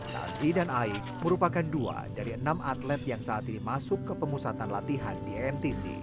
nazi dan aik merupakan dua dari enam atlet yang saat ini masuk ke pemusatan latihan di mtc